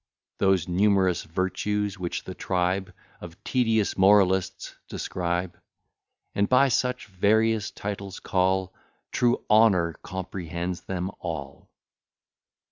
Those numerous virtues which the tribe Of tedious moralists describe, And by such various titles call, True honour comprehends them all.